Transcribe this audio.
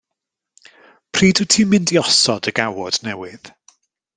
Pryd wyt ti'n mynd i osod y gawod newydd?